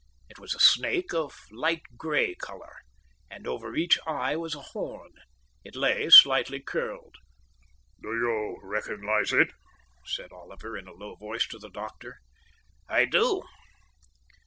It was a snake of light grey colour, and over each eye was a horn. It lay slightly curled. "Do you recognize it?" said Oliver in a low voice to the doctor. "I do."